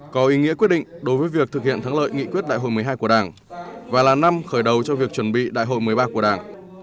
có ý nghĩa quyết định đối với việc thực hiện thắng lợi nghị quyết đại hội một mươi hai của đảng